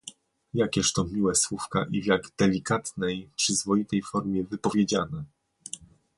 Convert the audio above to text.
"Jakież to miłe słówka i w jak delikatnej, przyzwoitej formie wypowiedziane!"